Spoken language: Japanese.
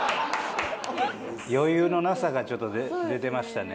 余裕のなさがちょっと出てましたね。